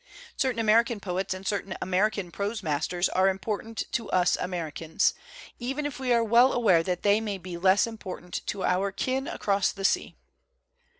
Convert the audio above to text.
Certain American poets and certain American prosemasters are important to us Americans, even if we are well aware that they may be less important to our kin across the sea.